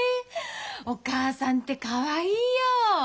お母さんってかわいいよ。